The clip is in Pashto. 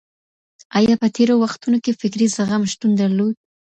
آيا په تېرو وختونو کي فکري زغم شتون درلود؟